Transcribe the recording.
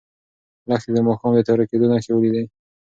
لښتې د ماښام د تیاره کېدو نښې ولیدې.